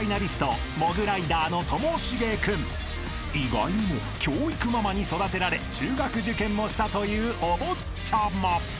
［意外にも教育ママに育てられ中学受験もしたというお坊ちゃま］